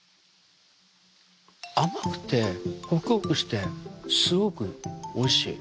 甘くてホクホクしてすごくおいしい。